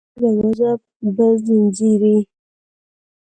زموږ دروازه به ځینځېرې،